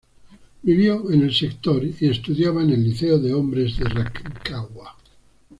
Vivió en el sector y estudiaba en el Liceo de Hombres de Rancagua.